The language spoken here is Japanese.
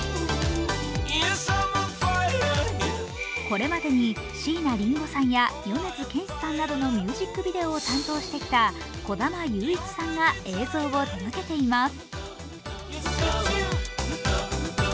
これまでに椎名林檎さんや米津玄師さんなどのミュージックビデオを担当してきた児玉裕一さんが映像を手がけています。